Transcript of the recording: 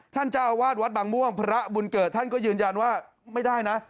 เจ้าอาวาสวัดบางม่วงพระบุญเกิดท่านก็ยืนยันว่าไม่ได้นะ